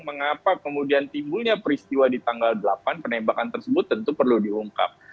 mengapa kemudian timbulnya peristiwa di tanggal delapan penembakan tersebut tentu perlu diungkap